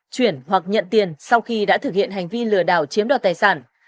chuyển hoặc nhận tiền sau khi đã thực hiện hành vi lừa đảo chiếm đoạt tài sản